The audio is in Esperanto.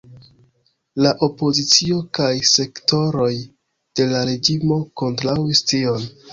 La opozicio kaj sektoroj de la reĝimo kontraŭis tion.